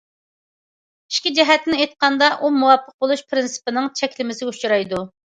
ئىچكى جەھەتتىن ئېيتقاندا، ئۇ مۇۋاپىق بولۇش پىرىنسىپىنىڭ چەكلىمىسىگە ئۇچرايدۇ.